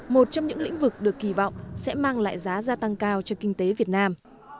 một trong những lĩnh vực được kỳ vọng sẽ mang lại giá gia tăng cao cho kinh tế việt nam